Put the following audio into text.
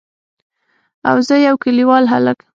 او زه يو کليوال هلک.